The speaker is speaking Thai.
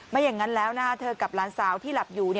ไม่อย่างนั้นแล้วเธอกับหลานสาวที่หลับอยู่